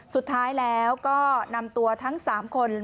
สุดท้ายแล้วก็นำตัวทั้ง๓คน